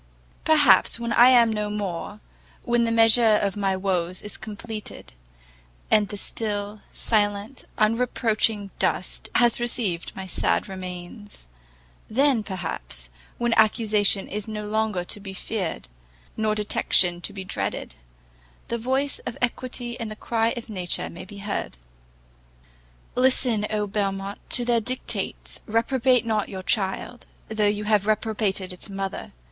Perhaps when I am no more, when the measure of my woes is completed, and the still, silent, unreproaching dust has received my sad remains, then, perhaps, when accusation is no longer to be feared, nor detection to be dreaded, the voice of equity and the cry of nature may be heard. Listen, Oh Belmont, to their dictates! reprobate not your child, though you have reprobated its mother.